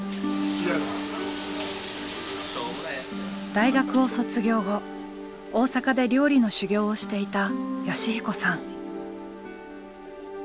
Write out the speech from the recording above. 大学を卒業後大阪で料理の修業をしていた善彦さん。